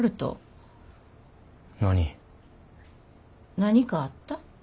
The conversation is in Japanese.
何かあった？